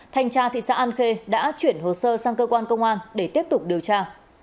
thanh tra thị xã an khê đã chuyển hồ sơ sang cơ quan công an để tiếp tục điều tra